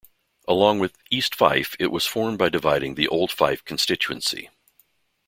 Along with East Fife, it was formed by dividing the old Fife constituency.